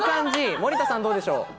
森田さん、どうでしょう？